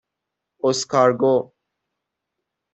اسکارگو